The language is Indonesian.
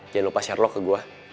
jangan lupa share log ke gue